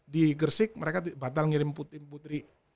di gersik mereka batal mengirim putri